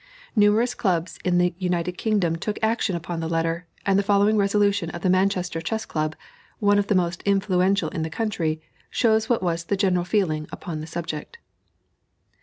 Numerous clubs in the United Kingdom took action upon the letter, and the following resolution of the Manchester Chess Club one of the most influential in the country shows what was the general feeling upon the subject.